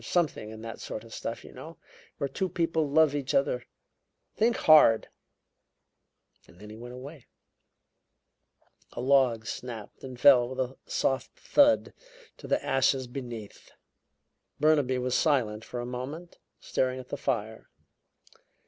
There's something in that sort of stuff, you know, where two people love each other. Think hard!' Then he went away." A log snapped and fell with a soft thud to the ashes beneath. Burnaby was silent for a moment, staring at the fire.